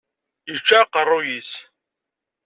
Yečča aqerruy-is.